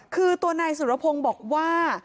คือตัวนายสุรพงศ์บอกว่า